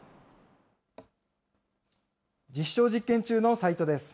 実証実験中のサイトです。